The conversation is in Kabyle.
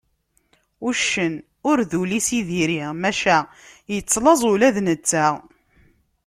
Uccen ur d ul-is i diri, maca yettlaẓ ula d netta.